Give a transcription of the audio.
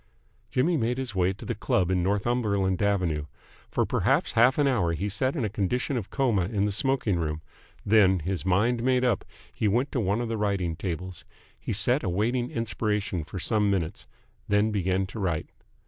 Jimmy made his way to his club in Northumberland Avenue. For perhaps half an hour he sat in a condition of coma in the smoking room; then, his mind made up, he went to one of the writing tables. He sat awaiting inspiration for some minutes, then began to write.